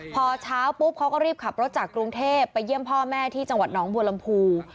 พอเช้าปุ๊บเขาก็รีบขับรถจากกรุงเทพไปเยี่ยมพ่อแม่ที่จังหวัดน้องบัวลำพู